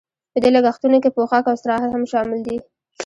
په دې لګښتونو کې پوښاک او استراحت هم شامل دي